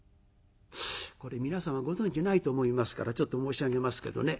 これ皆様ご存じないと思いますからちょっと申し上げますけどね